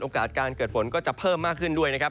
การเกิดฝนก็จะเพิ่มมากขึ้นด้วยนะครับ